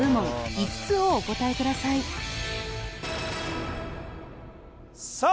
５つをお答えくださいさあ